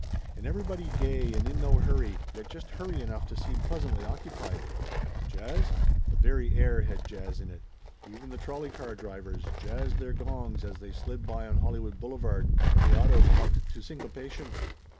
And everybody gay and in no hurry, yet just hurry enough to seem pleasantly occupied. Jazz ? The very air had jazz in it ! Even the trolley car drivers jazzed their gongs as they slid by on Hollywood Boulevard, and the autos honked to syncopation.